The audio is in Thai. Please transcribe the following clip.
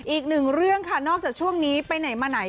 อีกหนึ่งเรื่องค่ะนอกจากช่วงนี้ไปไหนมาไหน